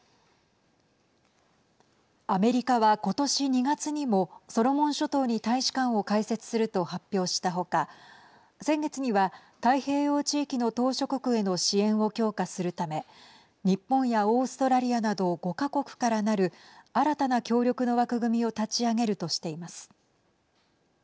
アメリカは、ことし２月にもソロモン諸島に大使館を開設すると発表したほか先月には、太平洋地域の島しょ国への支援を強化するため日本やオーストラリアなど５か国からなる新たな協力の枠組みを立ち上げるとしています。